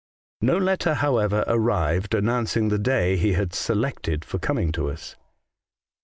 No letter, however, arrived announcing the day he had selected for coming to us.